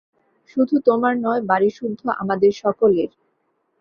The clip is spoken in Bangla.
শুধু তোমার নয়, বাড়িসুদ্ধ আমাদের সকলের।